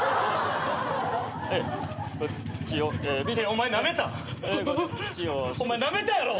お前なめたやろ！？